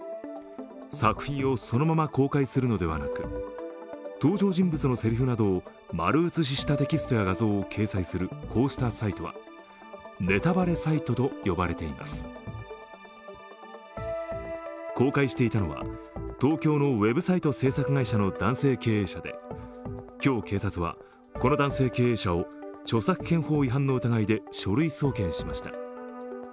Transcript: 作品をそのまま公開するのではなく、登場人物のせりふなどを丸写ししたテキストや画像を掲載するこうしたサイトはネタバレサイトと呼ばれています。公開していたのは、東京のウェブサイト制作会社の男性経営者で今日、警察はこの男性経営者を著作権法違反の疑いで書類送検しました。